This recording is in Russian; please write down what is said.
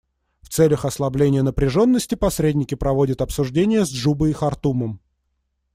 В целях ослабления напряженности посредники проводят обсуждения с Джубой и Хартумом.